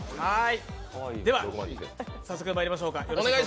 早速まいりましょうか。